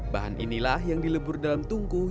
bahan inilah yang dilebur dalam tungku